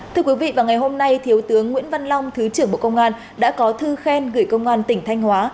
thưa quý vị vào ngày hôm nay thiếu tướng nguyễn văn long thứ trưởng bộ công an đã có thư khen gửi công an tỉnh thanh hóa